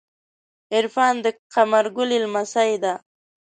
عرفان د قمر ګلی لمسۍ ده.